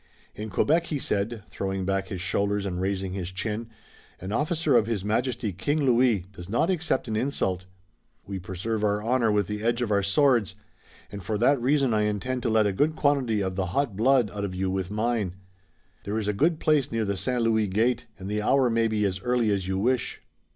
"In Quebec," he said, throwing back his shoulders and raising his chin, "an officer of His Majesty, King Louis, does not accept an insult. We preserve our honor with the edge of our swords, and for that reason I intend to let a good quantity of the hot blood out of you with mine. There is a good place near the St. Louis gate, and the hour may be as early as you wish."